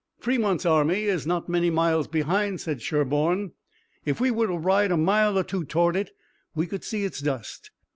"Fremont's army is not many miles behind," said Sherburne. "If we were to ride a mile or two toward it we could see its dust.